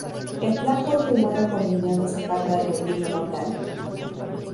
El plan fue firmado por Emiliano Zapata y Otilio Montaño.